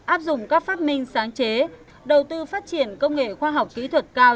áp dụng các phát minh sáng chế đầu tư phát triển công nghệ khoa học kỹ thuật cao